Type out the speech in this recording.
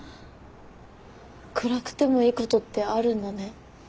暗くてもいいことってあるんだね。